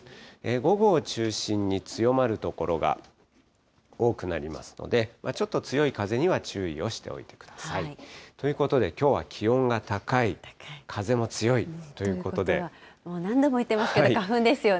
午後を中心に強まる所が多くなりますので、ちょっと強い風には注意をしておいてください。ということで、きょうは気温が高い、風も強いということで。ということは、きょうは何度も言ってますけど、花粉ですよね。